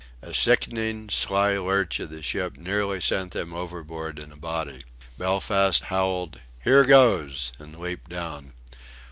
A sickening, sly lurch of the ship nearly sent them overboard in a body. Belfast howled "Here goes!" and leaped down.